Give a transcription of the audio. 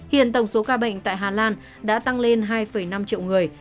hiện tổng số ca bệnh tại hà lan đã tăng lên hai năm triệu người